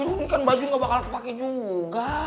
ini kan baju gak bakal aku pakai juga